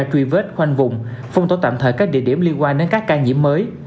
truy vết khoanh vùng phong tổ tạm thời các địa điểm liên quan đến các ca nhiễm mới